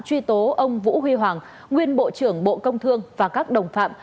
truy tố ông vũ huy hoàng nguyên bộ trưởng bộ công thương và các đồng phạm